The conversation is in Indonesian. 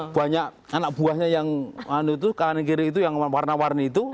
banyak anak buahnya yang warna warna itu